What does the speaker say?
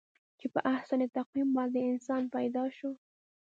چې په احسن تقویم باندې انسان پیدا شو.